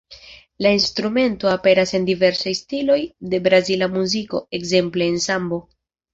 La instrumento aperas en diversaj stiloj de brazila muziko, ekzemple en sambo.